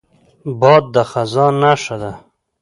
باد د خزان نښه ده